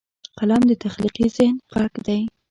قلم د تخلیقي ذهن غږ دی